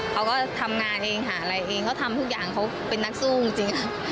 เขาก็ทำงานเองหาอะไรเองเขาทำทุกอย่างเขาเป็นนักสู้จริง